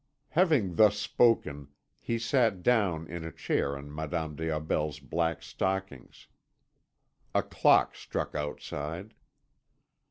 Having thus spoken he sat down in a chair on Madame des Aubels' black stockings. A clock struck outside.